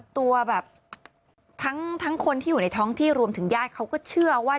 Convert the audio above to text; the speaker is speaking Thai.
ตัวแบบทั้งคนที่อยู่ในท้องที่รวมถึงญาติเขาก็เชื่อว่า